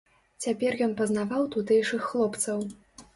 Цяпер ён пазнаваў тутэйшых хлопцаў.